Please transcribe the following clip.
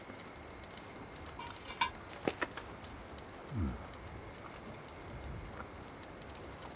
うん。